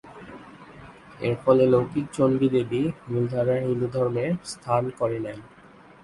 এর ফলে লৌকিক চণ্ডী দেবী মূলধারার হিন্দুধর্মে স্থান করে নেন।